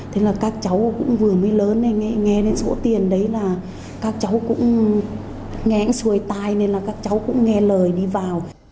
thế là các cháu cũng vừa mới lớn nên nghe đến số tiền đấy là các cháu cũng nghe xuôi tai nên là các cháu cũng nghe lời đi vào